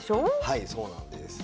はいそうなんです。